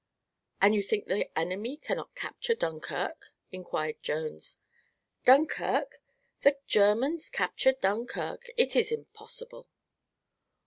"And you think the enemy cannot capture Dunkirk?" inquired Jones. "Dunkirk! The Germans capture Dunkirk? It is impossible."